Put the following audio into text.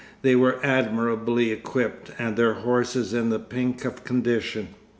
They were admirably equipped and their horses in the pink of condition.